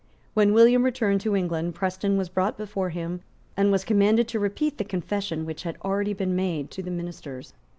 When William returned to England, Preston was brought before him, and was commanded to repeat the confession which had already been made to the ministers.